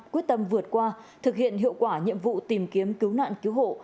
quyết tâm vượt qua thực hiện hiệu quả nhiệm vụ tìm kiếm cứu nạn cứu hộ